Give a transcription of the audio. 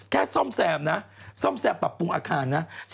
ซ่อมแซมนะซ่อมแซมปรับปรุงอาคารนะ